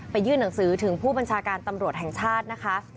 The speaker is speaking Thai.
ยื่นหนังสือถึงผู้บัญชาการตำรวจแห่งชาตินะคะ